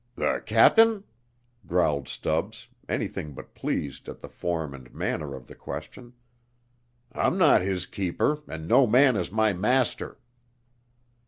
"The cap'n?" growled Stubbs, anything but pleased at the form and manner of the question. "I'm not his keeper and no man is my master."